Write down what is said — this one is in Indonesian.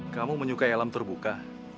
kamu menyukai alam terbuka